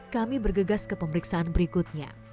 kami bergegas ke pemeriksaan berikutnya